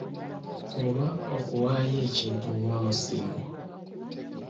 Oba okuwaaayo ekintu ng'omusingo.